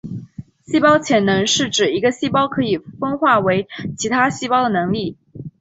细胞潜能是指一个细胞可以分化为其他种细胞的能力。